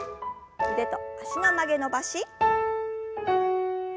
腕と脚の曲げ伸ばし。